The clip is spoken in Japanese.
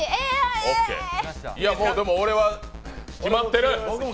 でも俺は、決まってる。